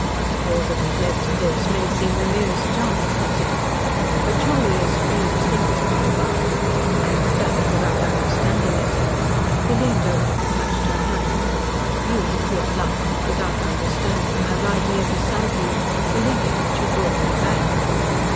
"All that has led to this may seem the merest chance," he said. "But surely a strange thing has come about. I know that without understanding it." He leaned over and touched her hand. "You, who are Life without understanding I ride here beside you, believing that you brought me back."